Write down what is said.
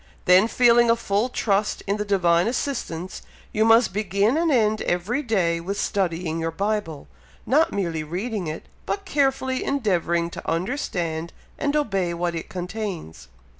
Then feeling a full trust in the Divine assistance, you must begin and end every day with studying your Bible, not merely reading it, but carefully endeavouring to understand and obey what it contains.